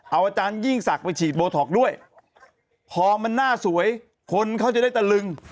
เอาอาจารยิ่งศักดิ์ไปฉีดโบท็อกซ์ด้วยพอมันหน้าสวยคนเขาจะได้ตะลึง